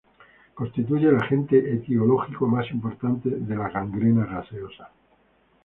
Constituye el agente etiológico más importante de la gangrena gaseosa.